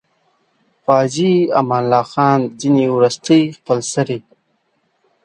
عازي امان الله خان ځینې وروستۍخپلسرۍ.